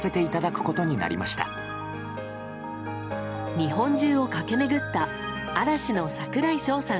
日本中を駆け巡った嵐の櫻井翔さん